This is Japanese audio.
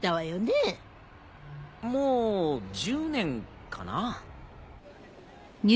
もう１０年かな。